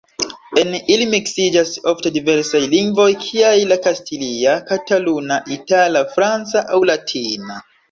En ili miksiĝas ofte diversaj lingvoj kiaj la kastilia, kataluna, itala, franca aŭ latina.